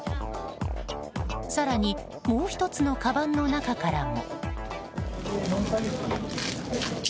更に、もう１つのかばんの中からも。